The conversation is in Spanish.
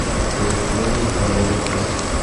Se desconoce su paradero actual.